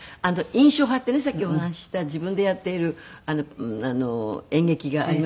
『印象派』ってねさっきお話しした自分でやっている演劇がありますでしょ。